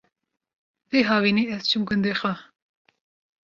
Vê havînê ez çûm gundê xwe